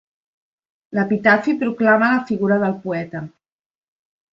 L'epitafi proclama la figura del poeta.